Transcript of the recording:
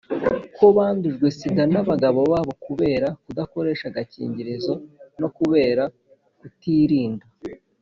ko bandujwe sida n’abagabo babo kubera kudakoresha agakingirizo no kubera kutir inda.